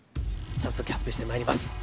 早速、発表してまいります。